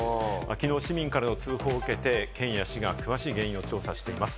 きのう市民からの通報を受けて、県や市が詳しい原因を調査しています。